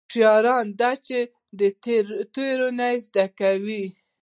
هوښیاري دا ده چې د تېرو نه زده کړې.